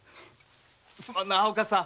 すまんなお勝さん。